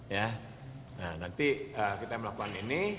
ya nah nanti kita melakukan ini